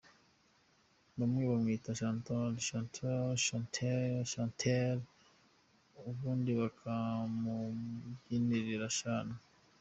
Bamwe bamwita Chantall, Chantel, Chantelle, Chantale, ubundi bakamubyinirira Chan.